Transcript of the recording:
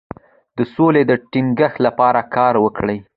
د سولې د ټینګښت لپاره کار وکړئ.